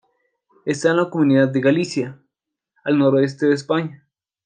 Está en la comunidad de Galicia, al noroeste de España.